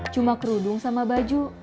cuma kerudung sama baju